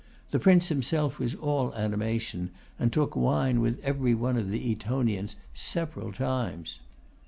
The Prince himself was all animation, and took wine with every one of the Etonians several times.